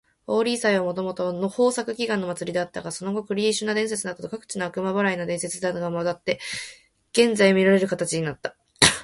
ホーリー祭はもともと豊作祈願の祭りであったが、その後クリシュナ伝説などの各地の悪魔払いの伝説などが混ざって、現在みられる形になった。